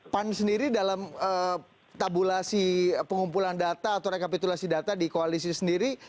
pan sendiri dalam tabulasi pengumpulan data atau rekapitulasi data di koalisi sendiri